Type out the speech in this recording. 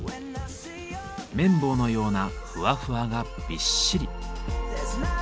綿棒のようなふわふわがびっしり。